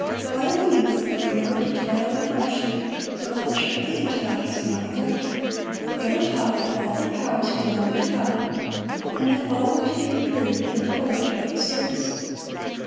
While the youth were inured to toil and hardship, the culture of the intellect was not neglected. They were taught that all their powers belonged to God, and that all were to be improved and developed for His service.